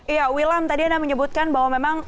iya wilam tadi anda menyebutkan bahwa memang